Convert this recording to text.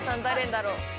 誰だろう。